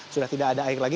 sudah tidak ada air lagi